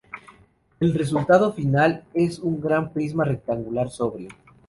El resultado final es un gran prisma rectangular sobrio.